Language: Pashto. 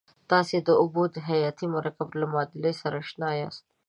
تاسې د اوبو د حیاتي مرکب له معادلې سره آشنا یاست.